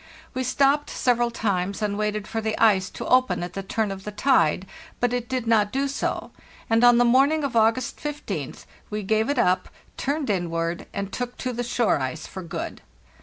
We stopped several times and waited for the ice to open at the turn of the tide, but it did not do so, and on the morning of August 15th we gave it up, turned inward, and took to the shore ice for good.